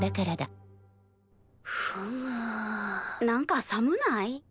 何か寒ない？